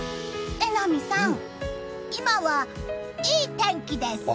榎並さん、今はいい天気です！